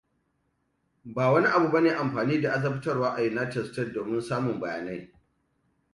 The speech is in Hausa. Ba wani abu bane amfani da azabtarwa a United Stated domin samun bayanai.